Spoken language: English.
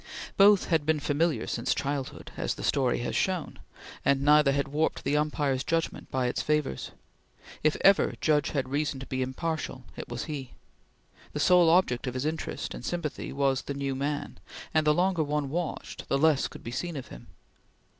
Both had been familiar since childhood, as the story has shown, and neither had warped the umpire's judgment by its favors. If ever judge had reason to be impartial, it was he. The sole object of his interest and sympathy was the new man, and the longer one watched, the less could be seen of him.